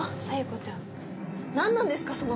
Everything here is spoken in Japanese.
彩也子ちゃん何なんですか？